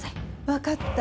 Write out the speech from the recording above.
分かった。